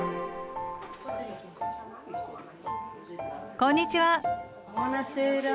こんにちは。